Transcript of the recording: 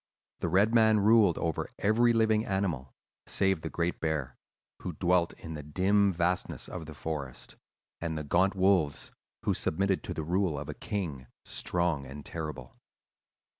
The red man ruled over every living animal, save the great bear, who dwelt in the dim vastness of the forest, and the gaunt wolves, who submitted to the rule of a king, strong and terrible.